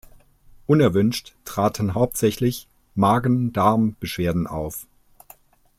Unerwünscht traten hauptsächlich Magen-Darm-Beschwerden auf.